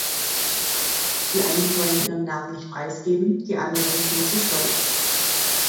Die einen wollen ihren Namen nicht preisgeben, die anderen sind zu stolz.